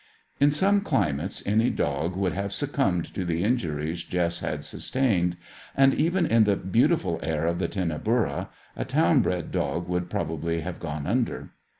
In some climates any dog would have succumbed to the injuries Jess had sustained; and even in the beautiful air of the Tinnaburra, a town bred dog would probably have gone under.